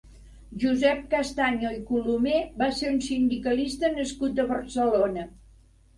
Josep Castaño i Colomer va ser un sindicalista nascut a Barcelona.